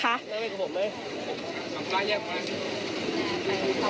ต่อเต็มทางจนถึงที่ของนักทางค่ะค่ะ